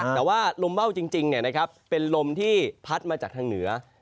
แต่ว่าลมว่าวจริงเป็นลมที่พัดมาจากทางเหนือ